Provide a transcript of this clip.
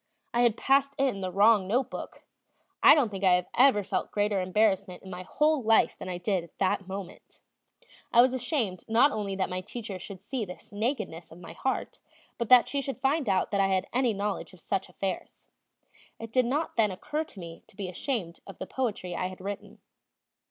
I had passed in the wrong note book. I don't think I have felt greater embarrassment in my whole life than I did at that moment. I was ashamed not only that my teacher should see this nakedness of my heart, but that she should find out that I had any knowledge of such affairs. It did not then occur to me to be ashamed of the kind of poetry I had written.